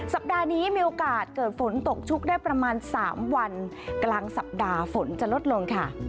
สัปดาห์นี้มีโอกาสเกิดฝนตกชุกได้ประมาณ๓วันกลางสัปดาห์ฝนจะลดลงค่ะ